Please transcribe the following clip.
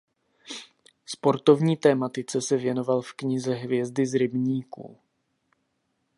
Sportovní tematice se věnoval v knize Hvězdy z rybníků.